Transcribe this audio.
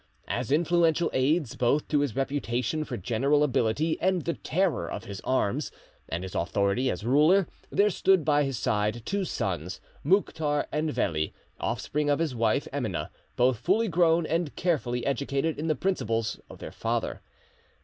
As influential aids both to his reputation for general ability and the terror of his' arms, and his authority as ruler, there stood by his side two sons, Mouktar and Veli, offspring of his wife Emineh, both fully grown and carefully educated in the principles of their father.